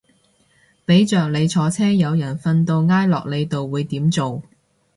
俾着你坐車有人瞓到挨落你度會點做